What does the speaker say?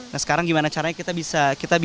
nah sekarang gimana caranya kita bisa